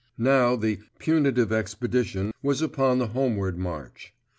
Now that the —— Punitive Expedition was upon the homeward march.